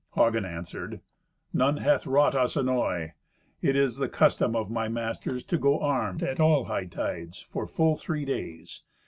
Hagen answered, "None hath wrought us annoy. It is the custom of my masters to go armed at all hightides for full three days.